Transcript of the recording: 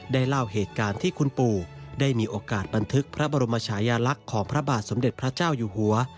เล่าเหตุการณ์ที่คุณปู่ได้มีโอกาสบันทึกพระบรมชายาลักษณ์ของพระบาทสมเด็จพระเจ้าอยู่หัว